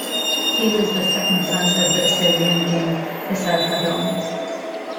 He was the second son of the Assyrian King Esarhaddon.